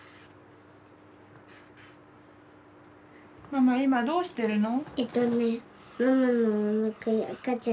ママ今どうしてるの？